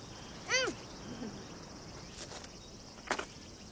うん！